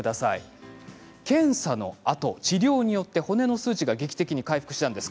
検査のあと治療によって骨の数値が劇的に回復したんです。